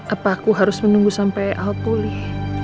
apa aku harus menunggu sampai aku pulih